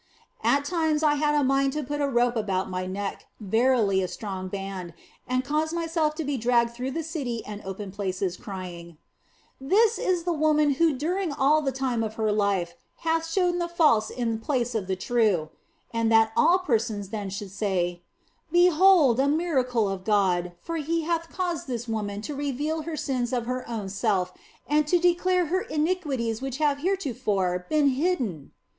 " At times I had a mind to put a rope about my neck, verily a strong band, and to cause myself to be dragged through the city and the open places, crying :" This is that woman who during all the time of her life hath showed the false in place of the true," and that all persons then should say :" Behold a miracle of God, for He hath caused this woman to reveal her sins of her own self and to declare her iniquities which have heretofore been hidden